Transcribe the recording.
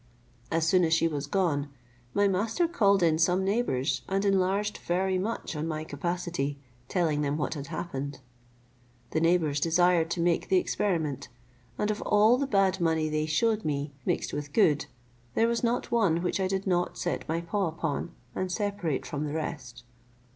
As soon as she was gone, my master called in some neighbours, and enlarged very much on my capacity, telling them what had happened. The neighbours desired to make the experiment, and of all the bad money they shewed me, mixed with good, there was not one which I did not set my paw upon, and separate from the rest.